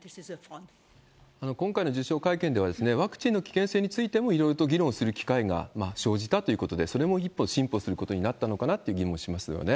今回の受賞会見では、ワクチンの危険性についてもいろいろと議論する機会が生じたということで、それも一歩、進歩することになったのかなと気もしますよね。